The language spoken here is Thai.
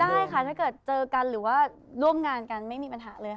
ได้ค่ะถ้าเกิดเจอกันหรือว่าร่วมงานกันไม่มีปัญหาเลยค่ะ